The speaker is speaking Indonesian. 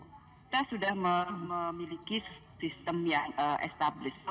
kita sudah memiliki sistem yang established